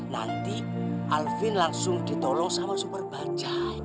nanti alvin langsung ditolong sama super bajai